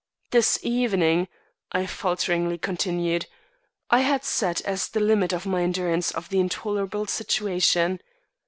"This evening," I falteringly continued, "I had set as the limit to my endurance of the intolerable situation.